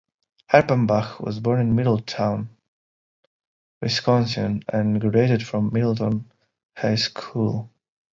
Erpenbach was born in Middleton, Wisconsin and graduated from Middleton High School.